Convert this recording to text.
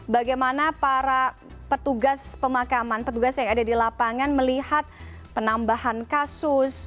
bagaimana para petugas pemakaman petugas yang ada di lapangan melihat penambahan kasus